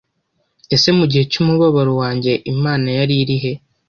Ese mu gihe cy’umubabaro wanjye Imana yari iri he?